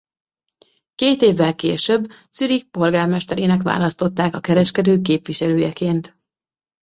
Két évvel később Zürich polgármesterének választották a kereskedők képviselőjeként.